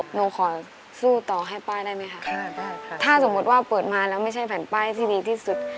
หนูขอสู้ต่อให้ป้ายได้ไหมคะค่ะได้ค่ะถ้าสมมุติว่าเปิดมาแล้วไม่ใช่แผ่นป้ายที่ดีที่สุด